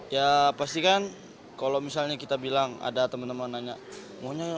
ya pastikan kalau misalnya kita bilang ada teman teman nanya